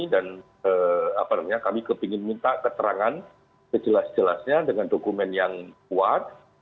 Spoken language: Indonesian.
dan kami ingin minta keterangan sejelas jelasnya dengan dokumen yang kuat